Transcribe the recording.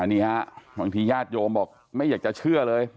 นี่ฮะบางทีญาติโยมบอกไม่อยากจะเชื่อเลย